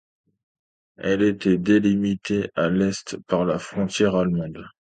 Elle était délimitée à l’est par la frontière allemande.